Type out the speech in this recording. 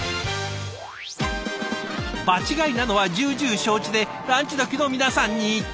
場違いなのは重々承知でランチどきの皆さんに突撃。